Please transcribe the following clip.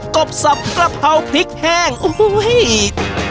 กเกิบกระเพาพริกแห้งโอ้โหเฮ้ย